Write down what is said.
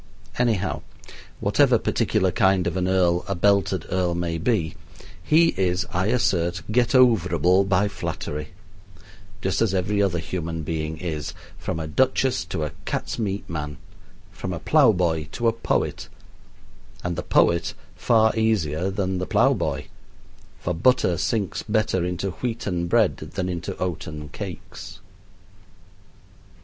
Anyhow, whatever particular kind of an earl a belted earl may be, he is, I assert, get overable by flattery; just as every other human being is, from a duchess to a cat's meat man, from a plow boy to a poet and the poet far easier than the plowboy, for butter sinks better into wheaten bread than into oaten cakes.